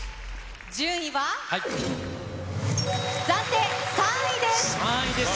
順位は、暫定３位です。